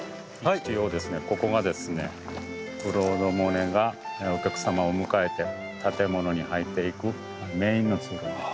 一応ここがですねクロード・モネがお客様を迎えて建物に入っていくメインの通路です。